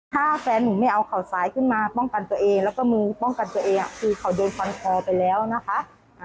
ถ้าแฟนหนูไม่เอาเขาซ้ายขึ้นมาป้องกันตัวเองแล้วก็มือป้องกันตัวเองคือเขาโดนฟันคอไปแล้วนะคะ